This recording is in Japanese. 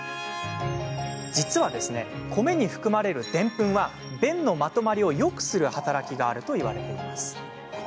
実は、米に含まれるでんぷんは便のまとまりをよくする働きがあるといわれています。